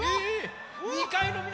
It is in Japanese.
２かいのみなさん！